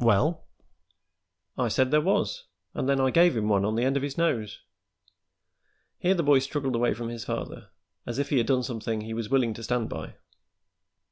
"Well?" "I said there was, an' then I gave him one on the end of his nose." Here the boy struggled away from his father, as if he had done something he was willing to stand by.